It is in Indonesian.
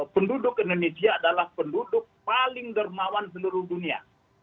penduduk indonesia adalah penduduk paling dermawan seluruh dunia